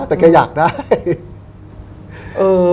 แต่แกอยากได้